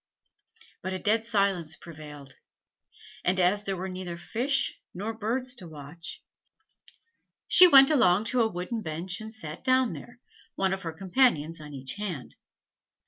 But a dead silence prevailed; and as there were neither fish nor birds to watch, she went along to a wooden bench and sat down there, one of her companions on each hand.